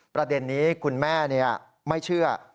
ประเด็นนี้คุณแม่ไม่เชื่อ